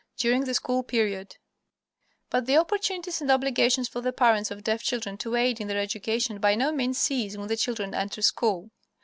XXV DURING THE SCHOOL PERIOD But the opportunities and obligations of the parents of deaf children to aid in their education by no means cease when the children enter school.